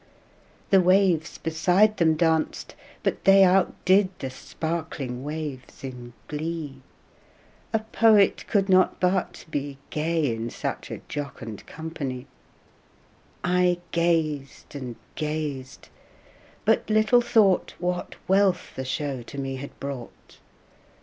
The waves beside them danced, but they Outdid the sparkling waves in glee: A poet could not but be gay In such a jocund company; I gazed and gazed but little thought What wealth the show to me had brought.